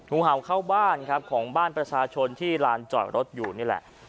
งูเห่าเข้าบ้านครับของบ้านประชาชนที่ลานจอดรถอยู่นี่แหละ